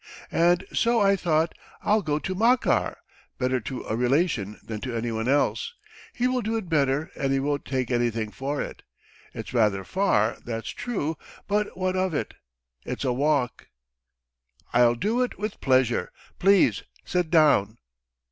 And so, I thought, I'll go to Makar. Better to a relation than to anyone else. He will do it better and he won't take anything for it. It's rather far, that's true, but what of it? It's a walk." "I'll do it with pleasure. Please sit down."